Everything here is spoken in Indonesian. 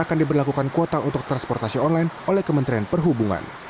akan diberlakukan kuota untuk transportasi online oleh kementerian perhubungan